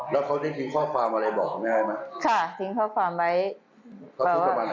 แล้วเขาจะทิ้งข้อความอะไรบอกแม่ไงนะ